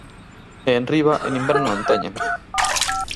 E enriba, en inverno non teñen!